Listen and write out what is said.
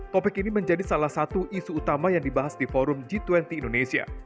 topik ini menjadi salah satu isu utama yang dibahas di forum g dua puluh indonesia